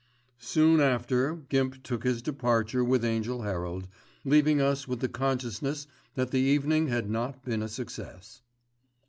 Soon after Gimp took his departure with Angell Herald, leaving us with the consciousness that the evening had not been a success.